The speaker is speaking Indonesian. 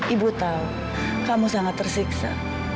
ibu tahu kamu sangat tersiksa